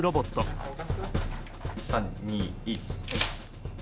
３２１。